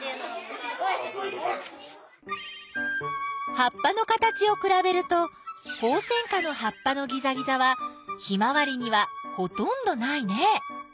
葉っぱの形をくらべるとホウセンカの葉っぱのギザギザはヒマワリにはほとんどないね。